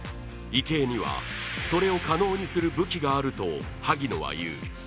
池江にはそれを可能にする武器があると萩野は言う。